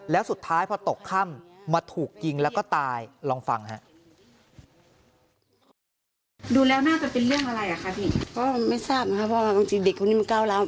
ไม่ทราบนะครับว่าดิกคนนี้ก้าวแล้ว